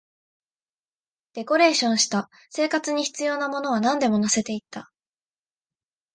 デコレーションした、生活に必要なものはなんでも乗せていった